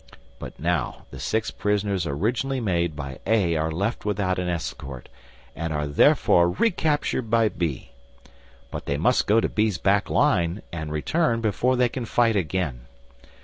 But now the six prisoners originally made by A are left without an escort, and are therefore recaptured by B. But they must go to B's back line and return before they can fight again.